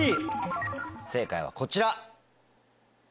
正解はこちら。